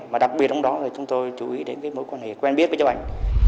và đặc biệt trong đó chúng tôi chú ý đến mối quan hệ quen biết với cháu ánh